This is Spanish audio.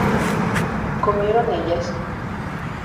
¿Comieron ellas?